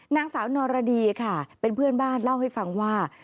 นางสาวนรดีค่ะเป็นเพื่อนบ้านเล่าให้ฟังว่า